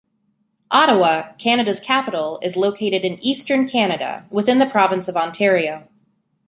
Ottawa, Canada's capital, is located in Eastern Canada, within the province of Ontario.